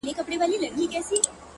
• چي آشنا مي دی د پلار او د نیکونو ,